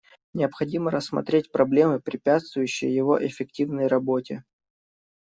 Необходимо рассмотреть проблемы, препятствующие его эффективной работе.